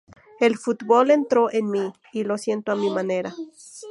El fútbol entró en mí, y lo siento a mi manera.